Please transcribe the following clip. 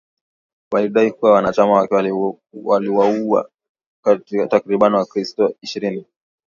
Walidai kuwa wanachama wake waliwauwa takribani wakristo ishirini